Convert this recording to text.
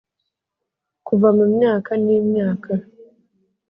kuva mu myaka n'imyaka